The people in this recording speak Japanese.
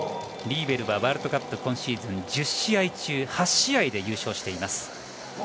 リーベルはワールドカップで今シーズン１０試合中８試合で優勝しています。